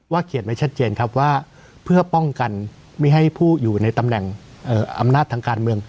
เขียนไว้ชัดเจนครับว่าเพื่อป้องกันไม่ให้ผู้อยู่ในตำแหน่งอำนาจทางการเมือง